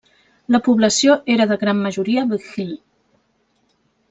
La població era de gran majoria bhil.